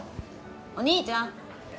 お兄ちゃん。